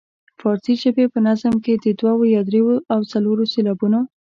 فارسي ژبې په نظم کې د دوو یا دریو او څلورو سېلابونو.